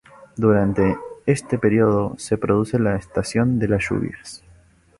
Durante este periodo se produce la estación de las lluvias.